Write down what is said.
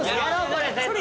これ絶対。